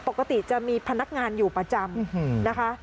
ปกติจะมีพนักงานอยู่ประจำนะคะ